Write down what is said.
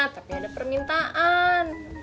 tapi ada permintaan